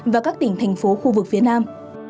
và các tỉnh thành phố khu vực phía nam